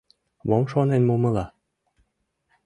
Мом шонен мумыла?